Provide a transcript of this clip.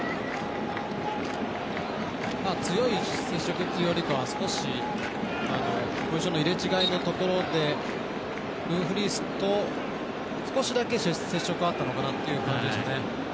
強い接触というよりかは少しポジションの入れ違いのところでドゥンフリースと少しだけ接触があったのかなというところですね。